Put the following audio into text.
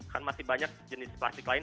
kan masih banyak jenis plastik lain